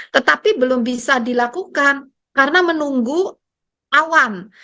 tetapi belum bisa dilakukan karena menunggu awan